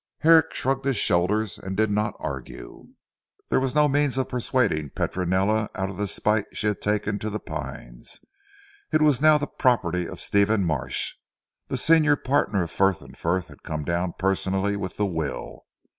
Herrick shrugged his shoulders, and did not argue. There was no means of persuading Petronella out of the spite she had taken to The Pines. It was now the property of Stephen Marsh. The senior partner of Frith and Frith had come down personally with the will.